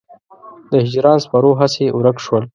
د هجران سپرو هسې ورک شول.